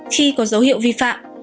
khi có dấu hiệu vi phạm